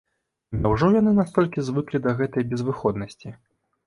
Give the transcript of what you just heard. Няўжо яны настолькі звыклі да гэтай безвыходнасці?